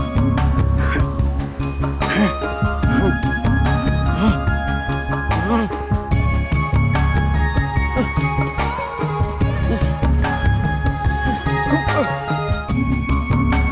sampai jumpa lagi